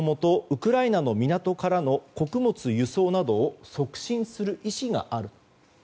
ウクライナの港からの穀物輸送などを促進する意思がある。